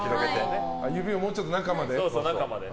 指をもうちょっと中までね。